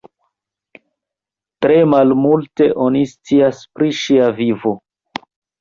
Tre malmulte oni scias pri ŝia vivo.